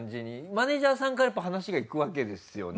マネージャーさんからやっぱ話がいくわけですよね？